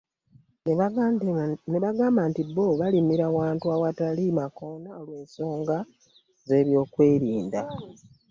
N'agamba nti bo balimira wantu awatali makoona olw'ensonga z'ebyokwerinda.